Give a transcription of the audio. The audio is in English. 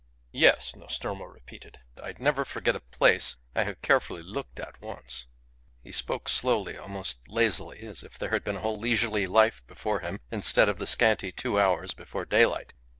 "Yes," Nostromo repeated, "I never forget a place I have carefully looked at once." He spoke slowly, almost lazily, as if there had been a whole leisurely life before him, instead of the scanty two hours before daylight.